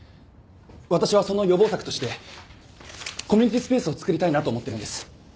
私はその予防策としてコミュニティスペースを作りたいなと思ってるんです。